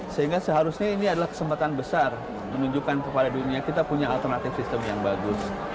sehingga seharusnya ini adalah kesempatan besar menunjukkan kepada dunia kita punya alternatif sistem yang bagus